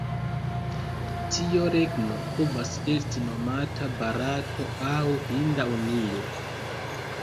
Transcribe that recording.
Tiu regno povas esti nomata "Barato" aŭ "Hinda Unio".